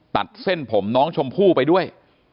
ตัดเส้นผมน้องชมพู่ไปด้วย